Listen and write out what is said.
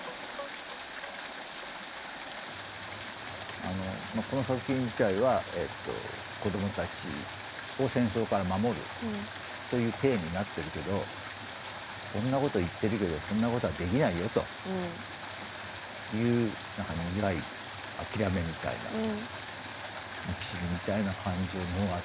あのまあこの作品自体は子どもたちを戦争から守るという体になってるけど「そんなこと言ってるけどそんなことはできないよ」という何か苦い諦めみたいな憎しみみたいな感情の方が強かったのかな。